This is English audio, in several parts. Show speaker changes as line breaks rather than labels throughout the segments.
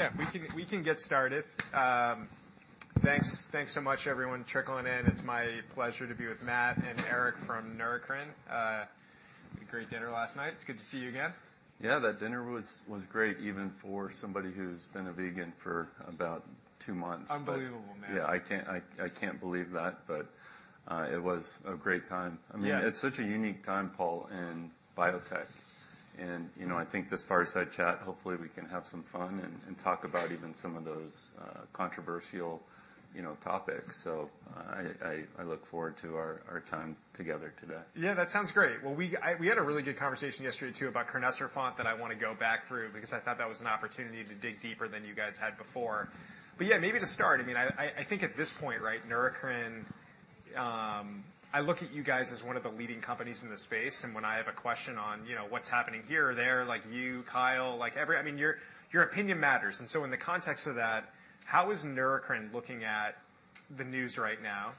Yeah, we can get started. Thanks so much, everyone, trickling in. It's my pleasure to be with Matt and Eric from Neurocrine. Great dinner last night. It's good to see you again.
Yeah, that dinner was great, even for somebody who's been a vegan for about two months.
Unbelievable, man.
Yeah, I can't believe that, but it was a great time. I mean, it's such a unique time, Paul, in biotech. And I think this fireside chat, hopefully we can have some fun and talk about even some of those controversial topics. So I look forward to our time together today.
Yeah, that sounds great. Well, we had a really good conversation yesterday too about crinecerfont that I want to go back through because I thought that was an opportunity to dig deeper than you guys had before. But yeah, maybe to start, I mean, I think at this point, right, Neurocrine, I look at you guys as one of the leading companies in the space. And when I have a question on what's happening here or there, like you, Kyle, I mean, your opinion matters. And so in the context of that, how is Neurocrine looking at the news right now?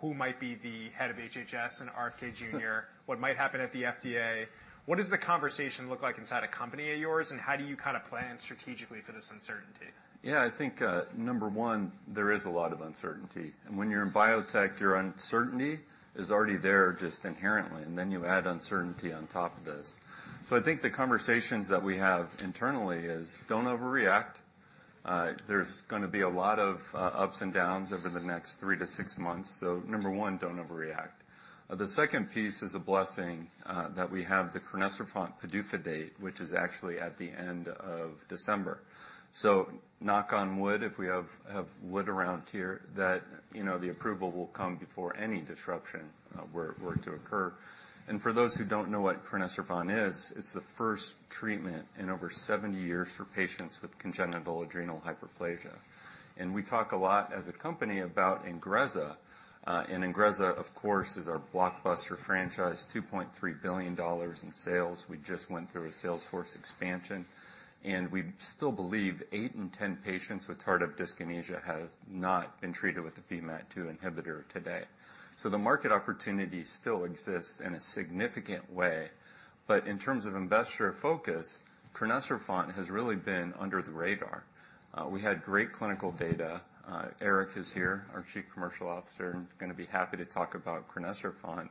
Who might be the head of HHS and RFK Jr.? What might happen at the FDA? What does the conversation look like inside a company at yours? And how do you kind of plan strategically for this uncertainty?
Yeah, I think number one, there is a lot of uncertainty. And when you're in biotech, your uncertainty is already there just inherently. And then you add uncertainty on top of this. So I think the conversations that we have internally is don't overreact. There's going to be a lot of ups and downs over the next three to six months. So number one, don't overreact. The second piece is a blessing that we have the crinecerfont PDUFA date, which is actually at the end of December. So knock on wood, if we have wood around here, that the approval will come before any disruption were to occur. And for those who don't know what crinecerfont is, it's the first treatment in over 70 years for patients with congenital adrenal hyperplasia. And we talk a lot as a company about Ingrezza. Ingrezza, of course, is our blockbuster franchise, $2.3 billion in sales. We just went through a sales force expansion. We still believe 8 in 10 patients with tardive dyskinesia have not been treated with the VMAT2 inhibitor today. So the market opportunity still exists in a significant way. But in terms of investor focus, crinecerfont has really been under the radar. We had great clinical data. Eric is here, our Chief Commercial Officer, and is going to be happy to talk about crinecerfont.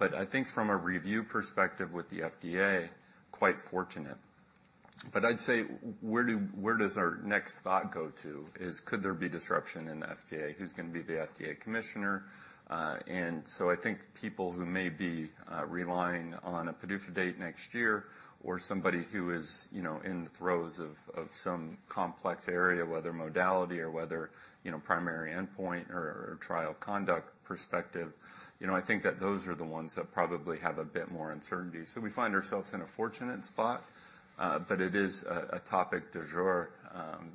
But I think from a review perspective with the FDA, quite fortunate. But I'd say where does our next thought go to is could there be disruption in the FDA? Who's going to be the FDA commissioner? And so I think people who may be relying on a PDUFA date next year or somebody who is in the throes of some complex area, whether modality or whether primary endpoint or trial conduct perspective, I think that those are the ones that probably have a bit more uncertainty. So we find ourselves in a fortunate spot, but it is a topic du jour.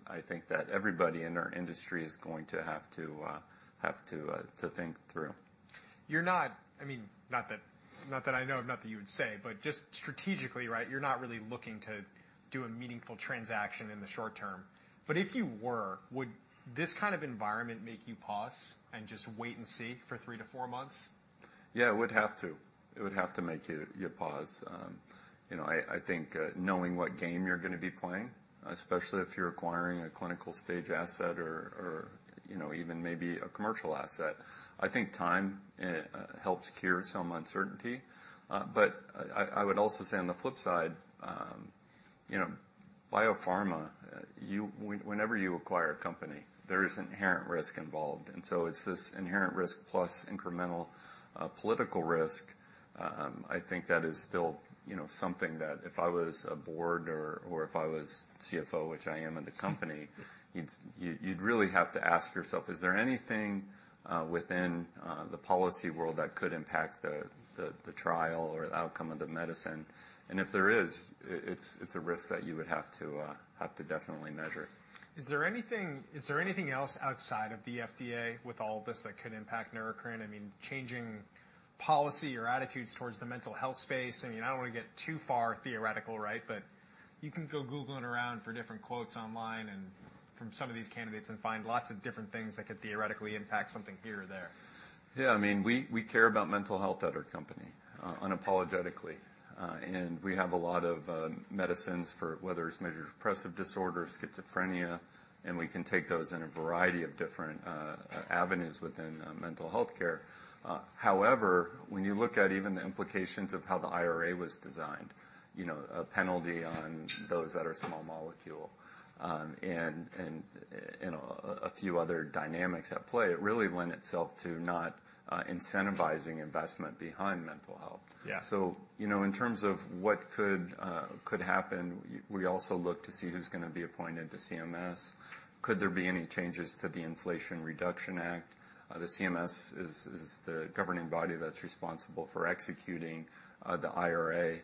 I think that everybody in our industry is going to have to think through.
You're not, I mean, not that I know of, not that you would say, but just strategically, right, you're not really looking to do a meaningful transaction in the short term. But if you were, would this kind of environment make you pause and just wait and see for three to four months?
Yeah, it would have to. It would have to make you pause. I think knowing what game you're going to be playing, especially if you're acquiring a clinical stage asset or even maybe a commercial asset, I think time helps cure some uncertainty. But I would also say on the flip side, biopharma, whenever you acquire a company, there is inherent risk involved. And so it's this inherent risk plus incremental political risk. I think that is still something that if I was a board or if I was CFO, which I am at the company, you'd really have to ask yourself, is there anything within the policy world that could impact the trial or the outcome of the medicine? And if there is, it's a risk that you would have to definitely measure.
Is there anything else outside of the FDA with all of this that could impact Neurocrine? I mean, changing policy or attitudes towards the mental health space? I mean, I don't want to get too far theoretical, right? But you can go Googling around for different quotes online and from some of these candidates and find lots of different things that could theoretically impact something here or there.
Yeah, I mean, we care about mental health at our company unapologetically, and we have a lot of medicines for whether it's major depressive disorders, schizophrenia, and we can take those in a variety of different avenues within mental healthcare. However, when you look at even the implications of how the IRA was designed, a penalty on those that are small molecule and a few other dynamics at play, it really lent itself to not incentivizing investment behind mental health, so in terms of what could happen, we also look to see who's going to be appointed to CMS. Could there be any changes to the Inflation Reduction Act? The CMS is the governing body that's responsible for executing the IRA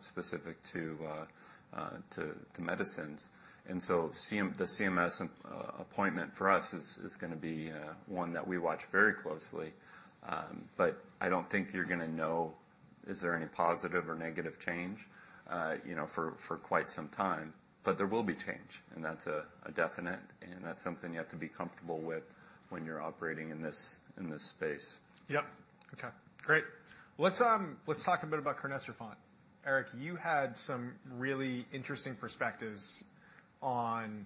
specific to medicines, and so the CMS appointment for us is going to be one that we watch very closely. But I don't think you're going to know is there any positive or negative change for quite some time. But there will be change. And that's a definite. And that's something you have to be comfortable with when you're operating in this space.
Yep. Okay. Great. Let's talk a bit about crinecerfont. Eric, you had some really interesting perspectives on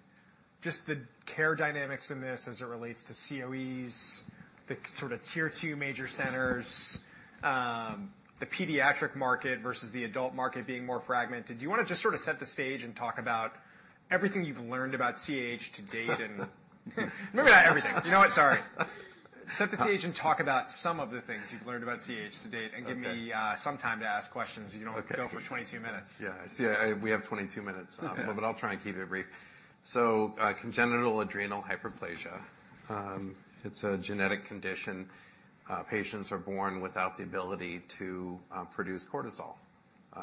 just the care dynamics in this as it relates to COEs, the sort of Tier 2 major centers, the pediatric market versus the adult market being more fragmented. Do you want to just sort of set the stage and talk about everything you've learned about CAH to date and maybe not everything. You know what? Sorry. Set the stage and talk about some of the things you've learned about CAH to date and give me some time to ask questions. You don't have to go for 22 minutes.
Yeah. We have 22 minutes. But I'll try and keep it brief. So congenital adrenal hyperplasia, it's a genetic condition. Patients are born without the ability to produce cortisol,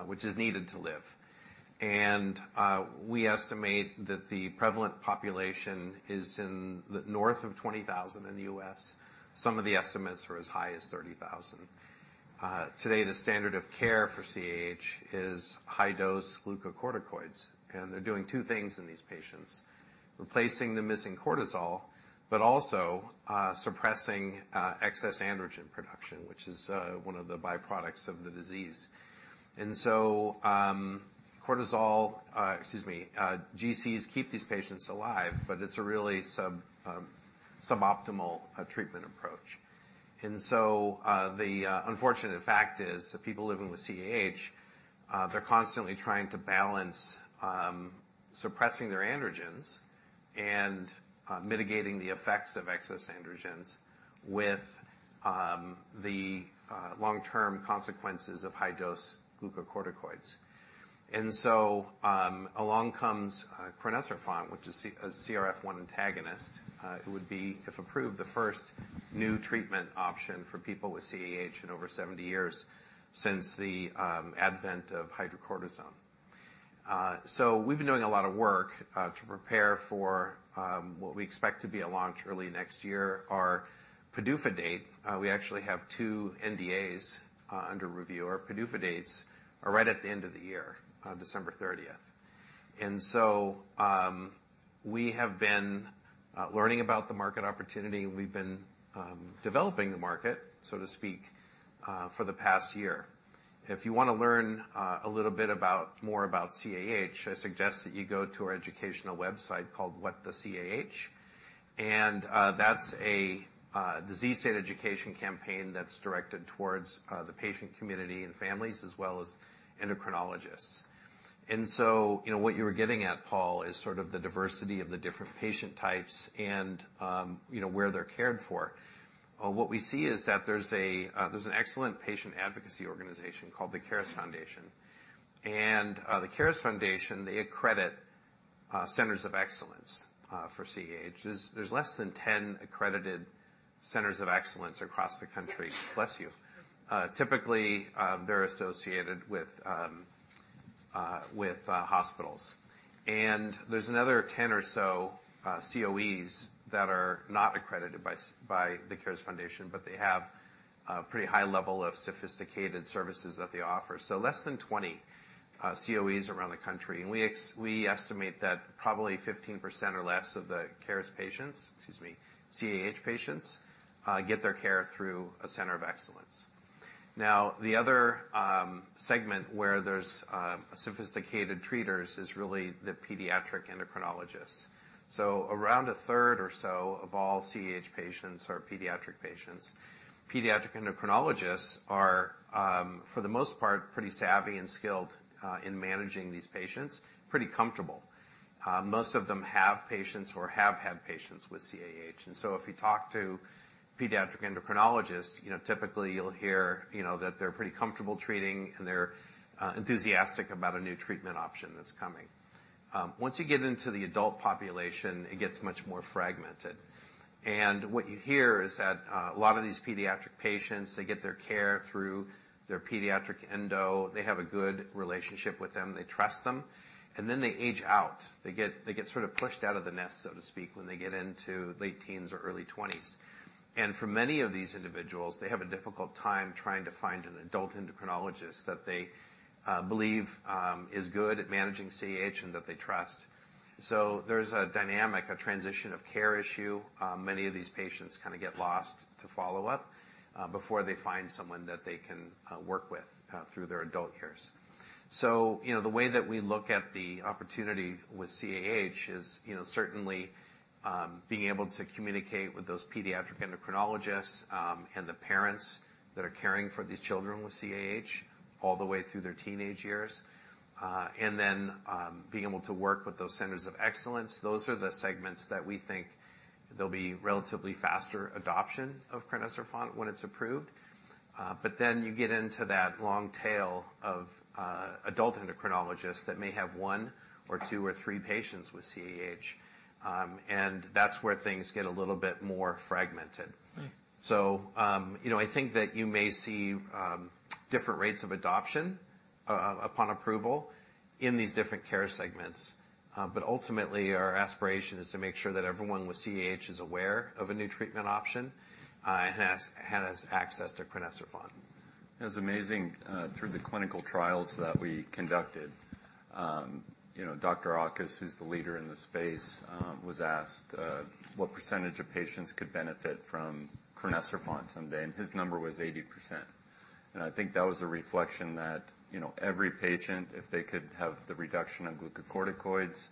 which is needed to live. And we estimate that the prevalent population is in the north of 20,000 in the U.S. Some of the estimates are as high as 30,000. Today, the standard of care for CAH is high-dose glucocorticoids. And they're doing two things in these patients: replacing the missing cortisol, but also suppressing excess androgen production, which is one of the byproducts of the disease. And so cortisol, excuse me, GCs keep these patients alive, but it's a really suboptimal treatment approach. And so the unfortunate fact is that people living with CAH, they're constantly trying to balance suppressing their androgens and mitigating the effects of excess androgens with the long-term consequences of high-dose glucocorticoids. Along comes crinecerfont, which is a CRF1 antagonist. It would be, if approved, the first new treatment option for people with CAH in over 70 years since the advent of hydrocortisone. We've been doing a lot of work to prepare for what we expect to be a launch early next year, our PDUFA date. We actually have two NDAs under review. Our PDUFA dates are right at the end of the year, December 30th. We have been learning about the market opportunity. We've been developing the market, so to speak, for the past year. If you want to learn a little bit more about CAH, I suggest that you go to our educational website called What the CAH. That's a disease state education campaign that's directed towards the patient community and families as well as endocrinologists. And so what you were getting at, Paul, is sort of the diversity of the different patient types and where they're cared for. What we see is that there's an excellent patient advocacy organization called the CARES Foundation. And the CARES Foundation, they accredit centers of excellence for CAH. There's less than 10 accredited centers of excellence across the country, bless you. Typically, they're associated with hospitals. And there's another 10 or so COEs that are not accredited by the CARES Foundation, but they have a pretty high level of sophisticated services that they offer. So less than 20 COEs around the country. And we estimate that probably 15% or less of the CARES patients, excuse me, CAH patients, get their care through a center of excellence. Now, the other segment where there's sophisticated treaters is really the pediatric endocrinologists. Around a third or so of all CAH patients are pediatric patients. Pediatric endocrinologists are, for the most part, pretty savvy and skilled in managing these patients, pretty comfortable. Most of them have patients or have had patients with CAH. And so if you talk to pediatric endocrinologists, typically you'll hear that they're pretty comfortable treating and they're enthusiastic about a new treatment option that's coming. Once you get into the adult population, it gets much more fragmented. And what you hear is that a lot of these pediatric patients, they get their care through their pediatric endo. They have a good relationship with them. They trust them. And then they age out. They get sort of pushed out of the nest, so to speak, when they get into late teens or early 20s. And for many of these individuals, they have a difficult time trying to find an adult endocrinologist that they believe is good at managing CAH and that they trust. So there's a dynamic, a transition of care issue. Many of these patients kind of get lost to follow up before they find someone that they can work with through their adult years. So the way that we look at the opportunity with CAH is certainly being able to communicate with those pediatric endocrinologists and the parents that are caring for these children with CAH all the way through their teenage years. And then being able to work with those centers of excellence. Those are the segments that we think there'll be relatively faster adoption of crinecerfont when it's approved. But then you get into that long tail of adult endocrinologists that may have one or two or three patients with CAH. And that's where things get a little bit more fragmented. So I think that you may see different rates of adoption upon approval in these different care segments. But ultimately, our aspiration is to make sure that everyone with CAH is aware of a new treatment option and has access to crinecerfont. It was amazing through the clinical trials that we conducted. Dr. Auchus, who's the leader in the space, was asked what percentage of patients could benefit from crinecerfont someday. And his number was 80%. And I think that was a reflection that every patient, if they could have the reduction of glucocorticoids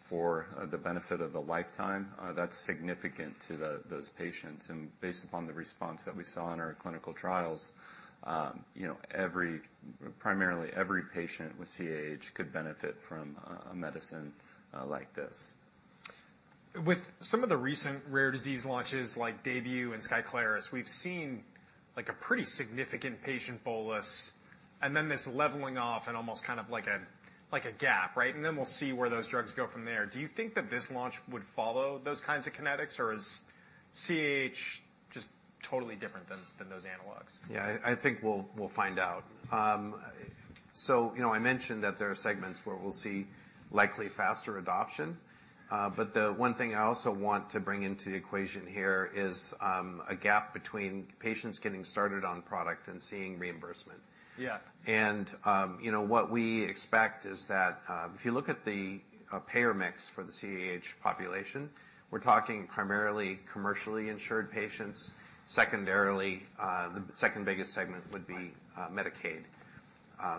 for the benefit of the lifetime, that's significant to those patients. Based upon the response that we saw in our clinical trials, primarily every patient with CAH could benefit from a medicine like this.
With some of the recent rare disease launches like Daybue and Skyclarys, we've seen a pretty significant patient bolus and then this leveling off and almost kind of like a gap, right, and then we'll see where those drugs go from there. Do you think that this launch would follow those kinds of kinetics or is CAH just totally different than those analogs?
Yeah, I think we'll find out. So I mentioned that there are segments where we'll see likely faster adoption. But the one thing I also want to bring into the equation here is a gap between patients getting started on product and seeing reimbursement. And what we expect is that if you look at the payer mix for the CAH population, we're talking primarily commercially insured patients. Secondarily, the second biggest segment would be Medicaid.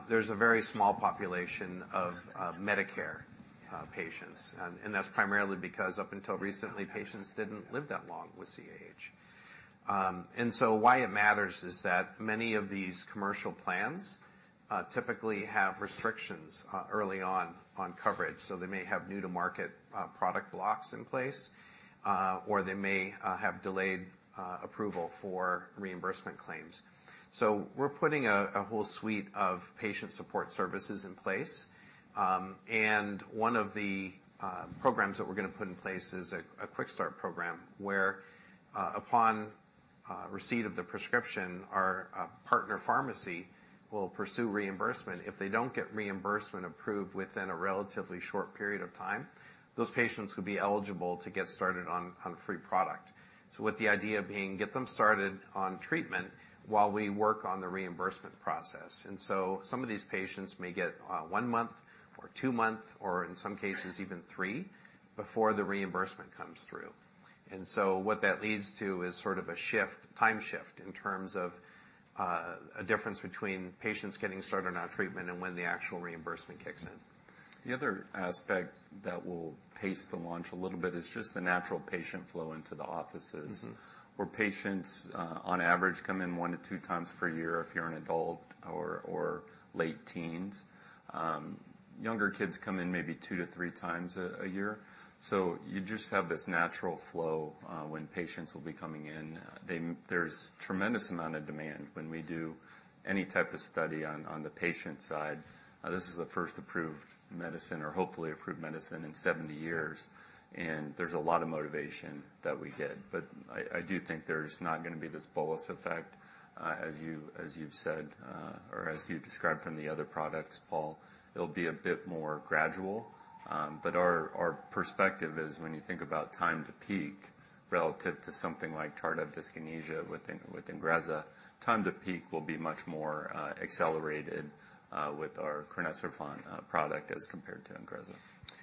There's a very small population of Medicare patients. And that's primarily because up until recently, patients didn't live that long with CAH. And so why it matters is that many of these commercial plans typically have restrictions early on on coverage. So they may have new-to-market product blocks in place or they may have delayed approval for reimbursement claims. So we're putting a whole suite of patient support services in place. One of the programs that we're going to put in place is a quick start program where upon receipt of the prescription, our partner pharmacy will pursue reimbursement. If they don't get reimbursement approved within a relatively short period of time, those patients could be eligible to get started on free product, with the idea of getting them started on treatment while we work on the reimbursement process. Some of these patients may get one month or two months or in some cases even three before the reimbursement comes through. What that leads to is sort of a shift, time shift in terms of a difference between patients getting started on treatment and when the actual reimbursement kicks in. The other aspect that will pace the launch a little bit is just the natural patient flow into the offices where patients on average come in one to two times per year if you're an adult or late teens. Younger kids come in maybe two to three times a year. So you just have this natural flow when patients will be coming in. There's a tremendous amount of demand when we do any type of study on the patient side. This is the first approved medicine or hopefully approved medicine in 70 years. And there's a lot of motivation that we get. But I do think there's not going to be this bolus effect, as you've said or as you described from the other products, Paul. It'll be a bit more gradual. But our perspective is when you think about time to peak relative to something like tardive dyskinesia with Ingrezza, time to peak will be much more accelerated with our crinecerfont product as compared to Ingrezza.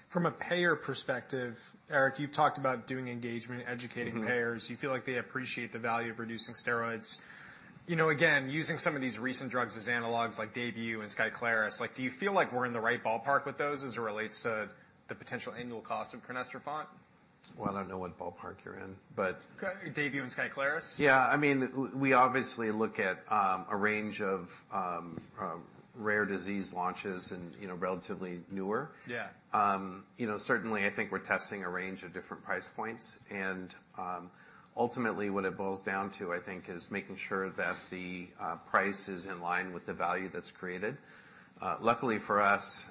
From a payer perspective, Eric, you've talked about doing engagement, educating payers. You feel like they appreciate the value of reducing steroids. Again, using some of these recent drugs as analogs like Daybue and Skyclarys, do you feel like we're in the right ballpark with those as it relates to the potential annual cost of crinecerfont?
I don't know what ballpark you're in, but.
Daybue and Skyclarys?
Yeah. I mean, we obviously look at a range of rare disease launches and relatively newer. Certainly, I think we're testing a range of different price points. And ultimately, what it boils down to, I think, is making sure that the price is in line with the value that's created. Luckily for us,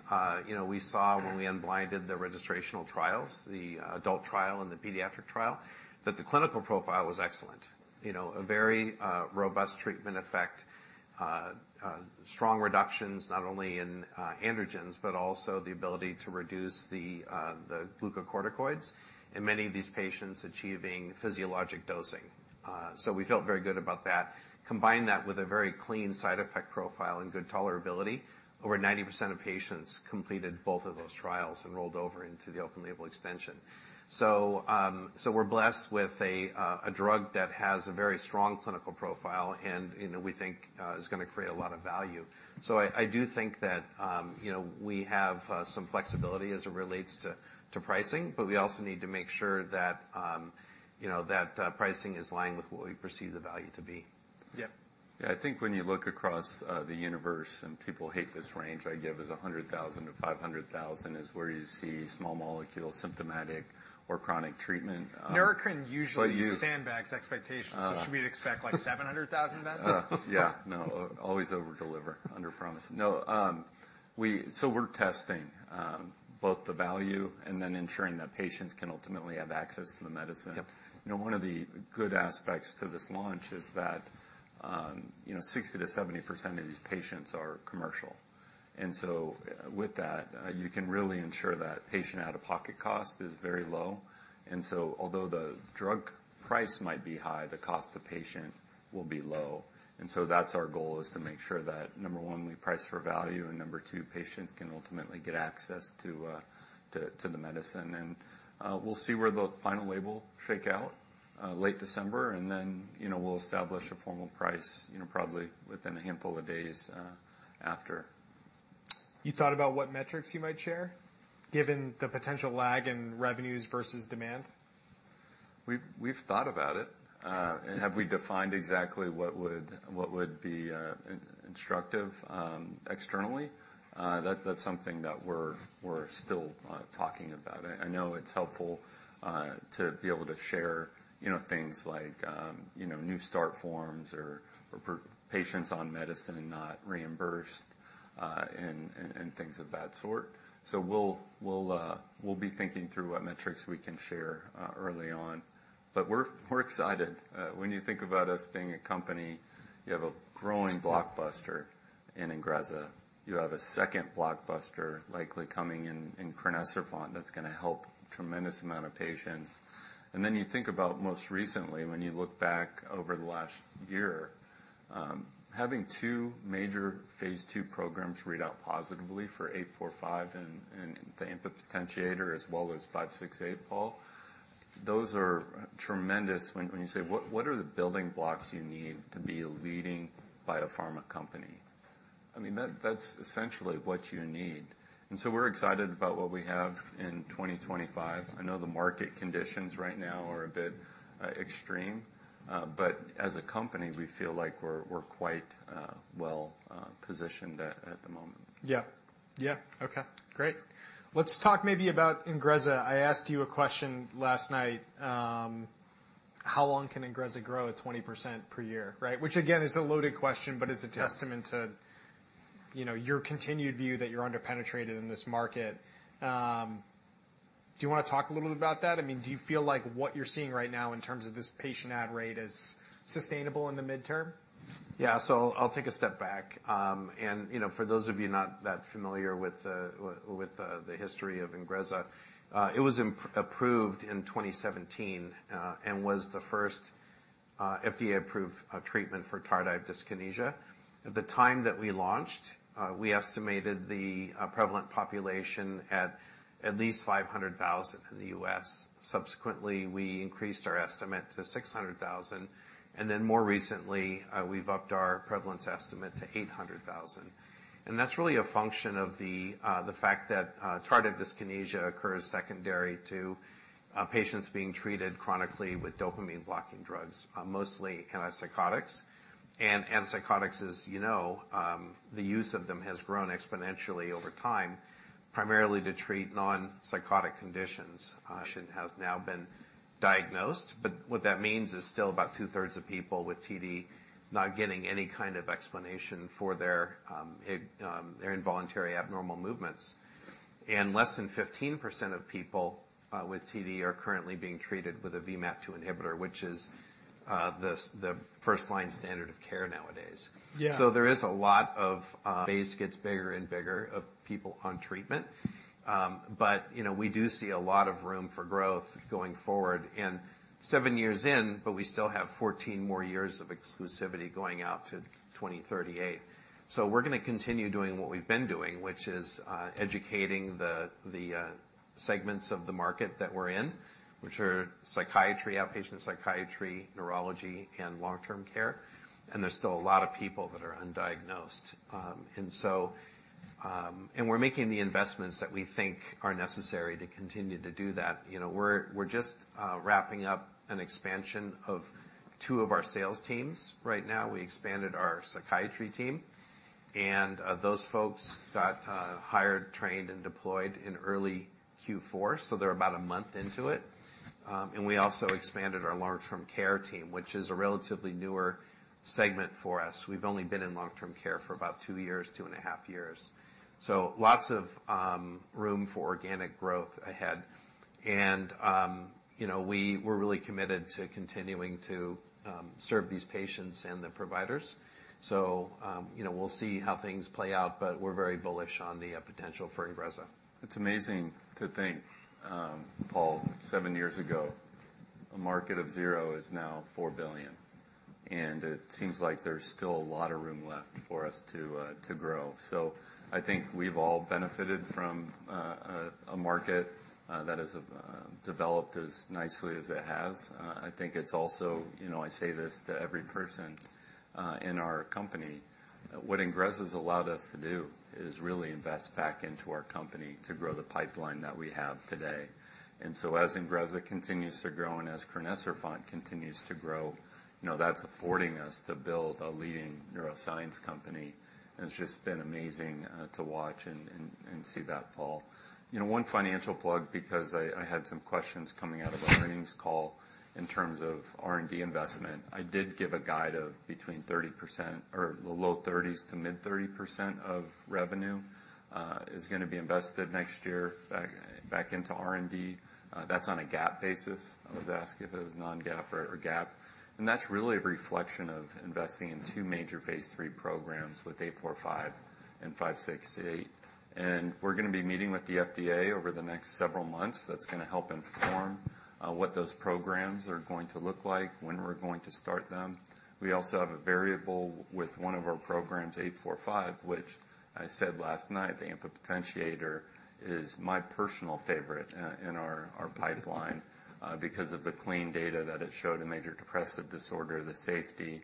we saw when we unblinded the registrational trials, the adult trial and the pediatric trial, that the clinical profile was excellent. A very robust treatment effect, strong reductions not only in androgens, but also the ability to reduce the glucocorticoids in many of these patients achieving physiologic dosing. So we felt very good about that. Combine that with a very clean side effect profile and good tolerability, over 90% of patients completed both of those trials and rolled over into the open label extension. So we're blessed with a drug that has a very strong clinical profile and we think is going to create a lot of value. So I do think that we have some flexibility as it relates to pricing, but we also need to make sure that pricing is aligned with what we perceive the value to be.
Yeah.
Yeah, I think when you look across the universe and people hate this range I give as 100,000 to 500,000 is where you see small molecule symptomatic or chronic treatment.
Neurocrine usually sandbags expectations. So should we expect like 700,000 then?
Yeah. No, always overdeliver, under promise. No. So we're testing both the value and then ensuring that patients can ultimately have access to the medicine. One of the good aspects to this launch is that 60%-70% of these patients are commercial. And so with that, you can really ensure that patient out-of-pocket cost is very low. And so although the drug price might be high, the cost to patient will be low. And so that's our goal is to make sure that, number one, we price for value and number two, patients can ultimately get access to the medicine. And we'll see where the final label shake out late December. And then we'll establish a formal price probably within a handful of days after.
You thought about what metrics you might share given the potential lag in revenues versus demand?
We've thought about it, and have we defined exactly what would be instructive externally? That's something that we're still talking about. I know it's helpful to be able to share things like new start forms or patients on medicine not reimbursed and things of that sort, so we'll be thinking through what metrics we can share early on, but we're excited. When you think about us being a company, you have a growing blockbuster in Ingrezza. You have a second blockbuster likely coming in crinecerfont that's going to help a tremendous amount of patients. And then you think about most recently when you look back over the last year, having two major phase II programs read out positively for 845 and the AMPA potentiator as well as 568, Paul. Those are tremendous when you say, "What are the building blocks you need to be a leading biopharma company?" I mean, that's essentially what you need. And so we're excited about what we have in 2025. I know the market conditions right now are a bit extreme. But as a company, we feel like we're quite well positioned at the moment.
Yeah. Yeah. Okay. Great. Let's talk maybe about Ingrezza. I asked you a question last night. How long can Ingrezza grow at 20% per year, right? Which again is a loaded question, but is a testament to your continued view that you're under-penetrated in this market. Do you want to talk a little bit about that? I mean, do you feel like what you're seeing right now in terms of this patient add rate is sustainable in the midterm?
Yeah. So I'll take a step back. And for those of you not that familiar with the history of Ingrezza, it was approved in 2017 and was the first FDA-approved treatment for tardive dyskinesia. At the time that we launched, we estimated the prevalent population at least 500,000 in the U.S. Subsequently, we increased our estimate to 600,000. And then more recently, we've upped our prevalence estimate to 800,000. And that's really a function of the fact that tardive dyskinesia occurs secondary to patients being treated chronically with dopamine-blocking drugs, mostly antipsychotics. And antipsychotics, as you know, the use of them has grown exponentially over time, primarily to treat non-psychotic conditions. But what that means is still about two-thirds of people with TD not getting any kind of treatment for their involuntary abnormal movements. And less than 15% of people with TD are currently being treated with a VMAT2 inhibitor, which is the first-line standard of care nowadays. So the base gets bigger and bigger, of people on treatment. But we do see a lot of room for growth going forward. And seven years in, but we still have 14 more years of exclusivity going out to 2038. So we're going to continue doing what we've been doing, which is educating the segments of the market that we're in, which are outpatient psychiatry, neurology, and long-term care. And there's still a lot of people that are undiagnosed. And we're making the investments that we think are necessary to continue to do that. We're just wrapping up an expansion of two of our sales teams right now. We expanded our psychiatry team. And those folks got hired, trained, and deployed in early Q4. So they're about a month into it. And we also expanded our long-term care team, which is a relatively newer segment for us. We've only been in long-term care for about two years, two and a half years. So lots of room for organic growth ahead. And we're really committed to continuing to serve these patients and the providers. So we'll see how things play out, but we're very bullish on the potential for Ingrezza. It's amazing to think, Paul, seven years ago, a market of zero is now $4 billion. And it seems like there's still a lot of room left for us to grow. So I think we've all benefited from a market that has developed as nicely as it has. I think it's also. I say this to every person in our company. What Ingrezza has allowed us to do is really invest back into our company to grow the pipeline that we have today. And so as Ingrezza continues to grow and as crinecerfont continues to grow, that's affording us to build a leading neuroscience company. And it's just been amazing to watch and see that, Paul. One financial plug because I had some questions coming out of an earnings call in terms of R&D investment. I did give a guide of between 30% or the low-30%s to mid-30% of revenue is going to be invested next year back into R&D. That's on a GAAP basis. I was asked if it was non-GAAP or GAAP. And that's really a reflection of investing in two major phase II programs with 845 and 568. We're going to be meeting with the FDA over the next several months. That's going to help inform what those programs are going to look like, when we're going to start them. We also have a variable with one of our programs, 845, which I said last night, the AMPA potentiator is my personal favorite in our pipeline because of the clean data that it showed in major depressive disorder, the safety,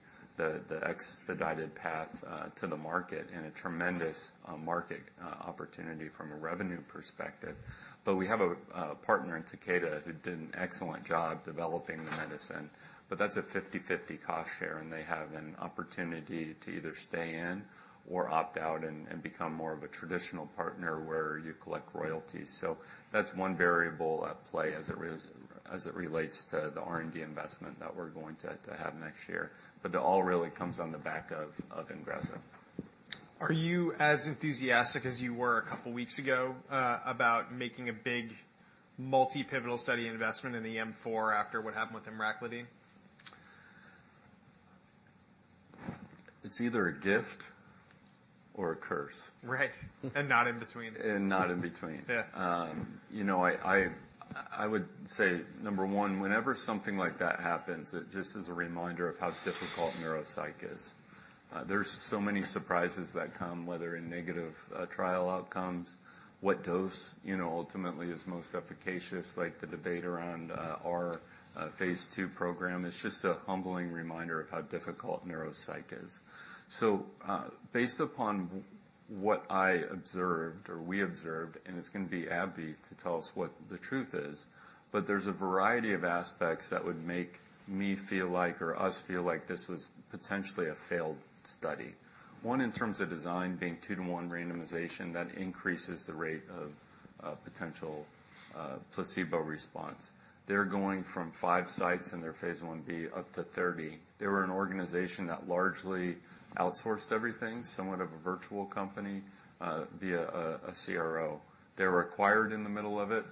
the expedited path to the market, and a tremendous market opportunity from a revenue perspective. We have a partner in Takeda who did an excellent job developing the medicine. That's a 50/50 cost share. They have an opportunity to either stay in or opt out and become more of a traditional partner where you collect royalties. So that's one variable at play as it relates to the R&D investment that we're going to have next year. But it all really comes on the back of Ingrezza.
Are you as enthusiastic as you were a couple of weeks ago about making a big multi-pivotal study investment in the M4 after what happened with emraclidine?
It's either a gift or a curse.
Right. And not in between.
Not in between. I would say, number one, whenever something like that happens, it just is a reminder of how difficult neuropsych is. There's so many surprises that come, whether in negative trial outcomes, what dose ultimately is most efficacious. Like the debate around our phase II program is just a humbling reminder of how difficult neuropsych is. So based upon what I observed or we observed, and it's going to be AbbVie to tell us what the truth is, but there's a variety of aspects that would make me feel like or us feel like this was potentially a failed study. One, in terms of design being two-to-one randomization, that increases the rate of potential placebo response. They're going from five sites in their phase I-B up to 30. They were an organization that largely outsourced everything, somewhat of a virtual company via a CRO. They're acquired in the middle of it,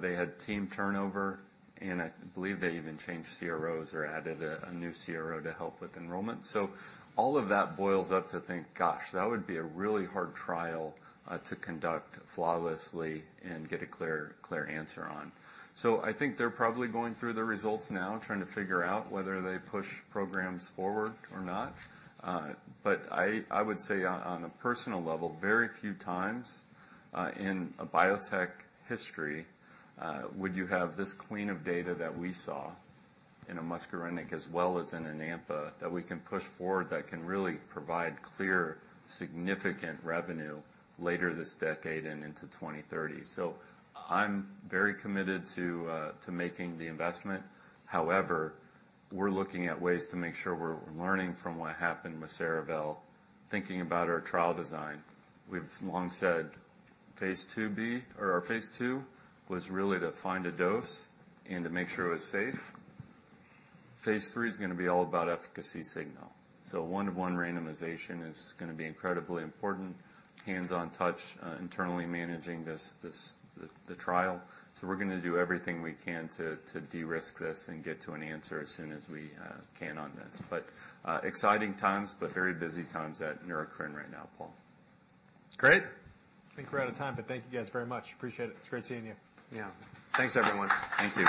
they had team turnover, and I believe they even changed CROs or added a new CRO to help with enrollment, so all of that boils down to think, gosh, that would be a really hard trial to conduct flawlessly and get a clear answer on, so I think they're probably going through the results now, trying to figure out whether they push programs forward or not, but I would say on a personal level, very few times in a biotech history would you have this clean of data that we saw in a muscarinic as well as in an AMPA that we can push forward that can really provide clear, significant revenue later this decade and into 2030, so I'm very committed to making the investment. However, we're looking at ways to make sure we're learning from what happened with Cerevel, thinking about our trial design. We've long said phase II-B or our phase II was really to find a dose and to make sure it was safe. phase III is going to be all about efficacy signal. So one-to-one randomization is going to be incredibly important, hands-on touch, internally managing the trial. So we're going to do everything we can to de-risk this and get to an answer as soon as we can on this. But exciting times, but very busy times at Neurocrine right now, Paul.
Great. I think we're out of time, but thank you guys very much. Appreciate it. It's great seeing you. Yeah. Thanks, everyone.
Thank you.